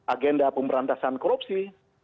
agenda pemberantasan korupsi